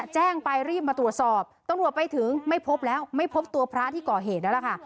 แจ้งไปรีบมาตรวจสอบตำรวจไปถึงไม่พบแล้วไม่พบตัวพระที่ก่อเหตุแล้วล่ะค่ะ